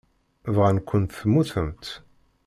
Bɣan-kent temmutemt.